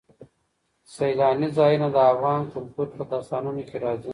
سیلانی ځایونه د افغان کلتور په داستانونو کې راځي.